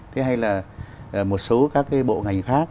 thế hay là một số các cái bộ ngành khác